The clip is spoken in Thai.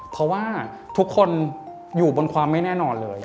เพราะว่าทุกคนอยู่บนความไม่แน่นอนเลย